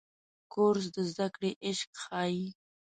کورس د زده کړې عشق ښيي.